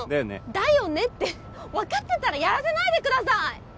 「だよね」って分かってたらやらせないでください！